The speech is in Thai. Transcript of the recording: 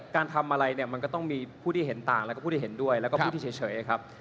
การทำอะไรเนี่ยมันก็ต้องมีผู้ที่เห็นต่างแล้วก็ผู้ที่เห็นด้วยแล้วก็พูดที่เฉยครับ